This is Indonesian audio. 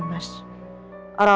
orang orang yang di sini